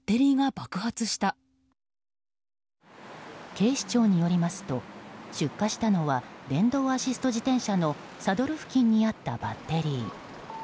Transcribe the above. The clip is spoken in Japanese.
警視庁によりますと出火したのは電動アシスト自転車のサドル付近にあったバッテリー。